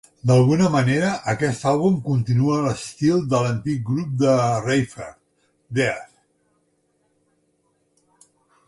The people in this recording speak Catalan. D'alguna manera aquest àlbum continua l'estil de l'antic grup de Reifert, Death.